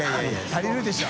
足りるでしょ。